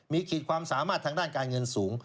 มีขีดความสามารถทางด้านการเงินสูง